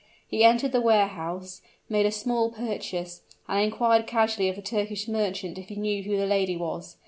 He entered the warehouse, made a small purchase, and inquired casually of the Turkish merchant if he knew who the lady was.